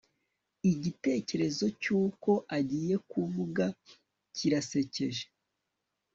Igitekerezo cyuko agiye kuvuga kirasekeje